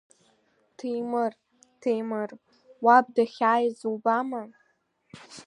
Ҭемыр, Ҭемыр, уаб дахьааиз убама?!